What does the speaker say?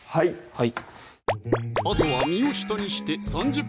はい